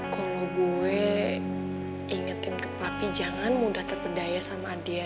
kalau gue ingetin kepapi jangan mudah terpedaya sama dia